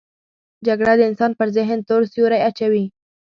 جګړه د انسان پر ذهن تور سیوری اچوي